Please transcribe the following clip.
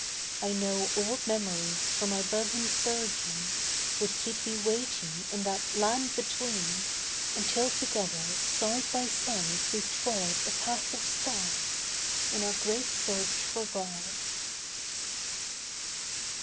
I know old memories from my bosom surging, Would keep thee waiting in that Land Between, Until together, side by side, we trod A path of stars, in our great search for God.